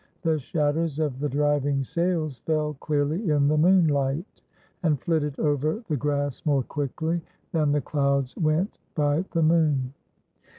The shadows of the driving sails fell clearly in the moonlight, and flitted over the grass more quickly than the clouds went by the moon.